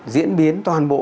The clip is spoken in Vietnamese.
diễn biến toàn bộ